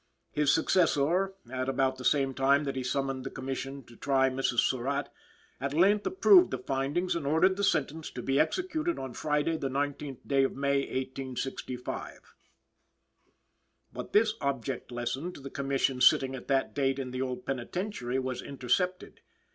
His successor, at about the same time that he summoned the Commission to try Mrs. Surratt, at length approved the findings and ordered the sentence to be executed on Friday, the 19th day of May, 1865. But this object lesson to the Commission sitting at that date in the old Penitentiary was intercepted.